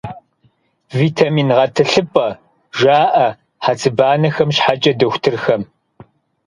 «Витамин гъэтӀылъыпӀэ» жаӀэ хьэцыбанэхэм щхьэкӀэ дохутырхэм.